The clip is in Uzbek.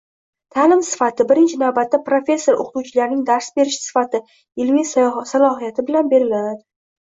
Taʼlim sifati, birinchi navbatda, professor-oʻqituvchilarning dars berish sifati, ilmiy salohiyati bilan belgilanadi.